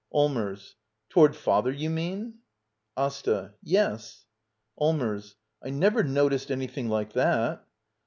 Allmers. Toward father, do you mean? AsTA. Yes. Allmers. I never noticed an3rthing like that.